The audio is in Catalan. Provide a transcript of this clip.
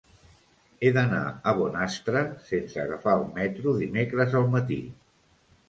He d'anar a Bonastre sense agafar el metro dimecres al matí.